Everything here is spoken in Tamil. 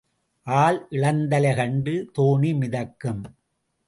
ஆள் இளந்தலை கண்டு தோணி மிதக்கும்.